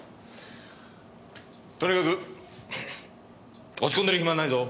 とにかく落ち込んでる暇はないぞ。